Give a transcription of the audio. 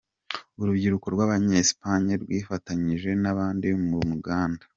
Urubyiruko rw’Abanyespagne rwifatanyije n’abandi mu muganda.